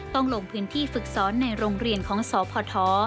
ลงพื้นที่ฝึกสอนในโรงเรียนของสพ